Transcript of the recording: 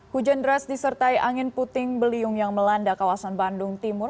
hujan deras disertai angin puting beliung yang melanda kawasan bandung timur